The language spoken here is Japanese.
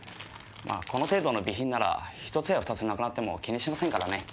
まあこの程度の備品なら一つや二つ無くなっても気にしませんからね。